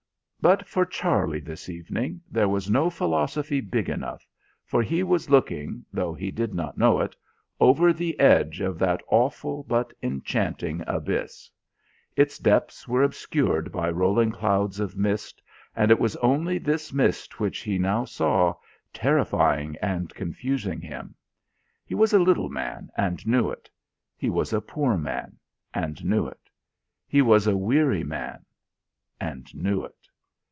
But for Charlie this evening there was no philosophy big enough, for he was looking, though he did not know it, over the edge of that awful, but enchanting abyss. Its depths were obscured by rolling clouds of mist, and it was only this mist which he now saw, terrifying and confusing him. He was a little man, and knew it. He was a poor man, and knew it. He was a weary man, and knew it.